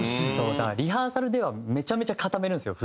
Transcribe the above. だからリハーサルではめちゃめちゃ固めるんですよ